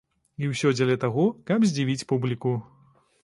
І ўсё дзеля таго, каб здзівіць публіку.